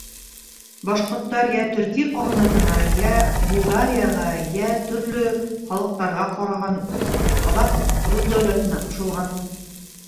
Башҡорттар йә Төрки ҡағанатына, йә Булгарияға, йә төрлө халыҡтарға ҡараған, аҙаҡ Рус дәүләтенә ҡушылған.